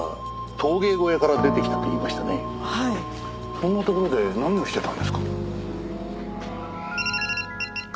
そんな所で何をしてたんですか？